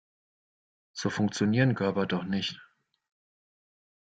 So funktionieren Körper doch nicht.